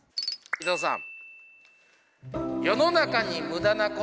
伊藤さん。